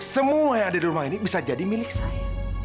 semua yang ada di rumah ini bisa jadi milik saya